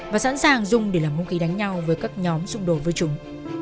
và sẵn sàng dùng để làm hung khí đánh nhau với các nhóm xung đột với chúng